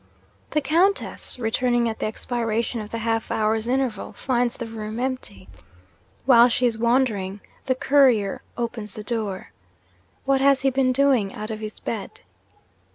'The Countess, returning at the expiration of the half hour's interval, finds the room empty. While she is wondering, the Courier opens the door. What has he been doing out of his bed?